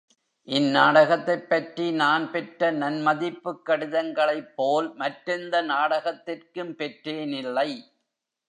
இந்நாடகத்தைப் பற்றி நான் பெற்ற நன்மதிப்புக் கடிதங்களைப்போல் மற்றெந்த நாடகத்திற்கும் பெற்றேனில்லை.